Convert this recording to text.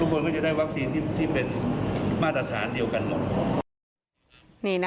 คนก็จะได้วัคซีนที่เป็นมาตรฐานเดียวกันหมด